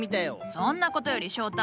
そんなことより翔太